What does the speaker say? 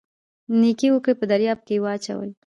نیکي وکړئ په دریاب یې واچوئ